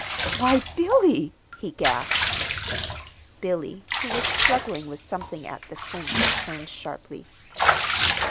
"Why, Billy!" he gasped. Billy, who was struggling with something at the sink, turned sharply.